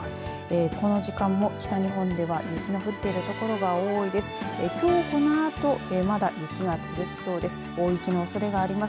この時間も北日本では雪の降っている所が多いです。